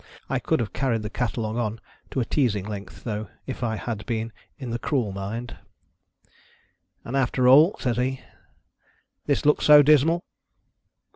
I could have carried the catalogue on to a teazing length, though, if I had been in the cruel mind. "And after all," said he, "this looks so dismal